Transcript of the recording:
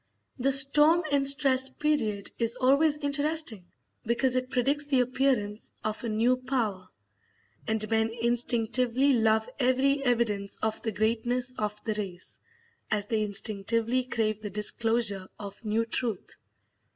The "storm and stress" period is always interesting because it predicts the appearance of a new power; and men instinctively love every evidence of the greatness of the race, as they instinctively crave the disclosure of new truth.